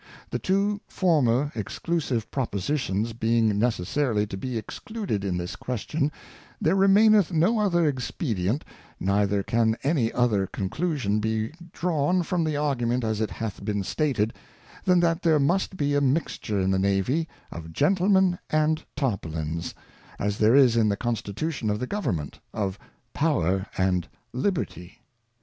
The two former exclusive Propositions being necessarily to be excluded in this Question, there remaineth no other Ex pedient, neither can any other Conclusion be drawn from the Argument as it hath been stated, than that there must be a mixture in the Navy of Gentlemen and Tarpaulins, as there jis in the Constitution of the Government, of Power and Liberty.